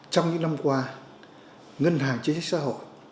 trong những năm qua ngân hàng chính sách xã hội